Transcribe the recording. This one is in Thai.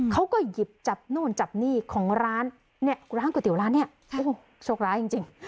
เขาก็หยิบจับนู่นจับนี่ของร้านเนี่ยร้านก๋วยเตี๋ร้านเนี่ยโอ้โหโชคร้ายจริง